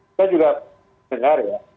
saya juga dengar ya